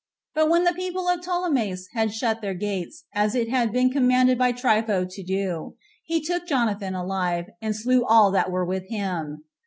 But when the people of Ptolemais had shut their gates, as it had been commanded by Trypho to do, he took Jonathan alive, and slew all that were with him.